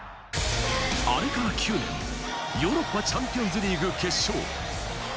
あれから９年、ヨーロッパチャンピオンズリーグ決勝。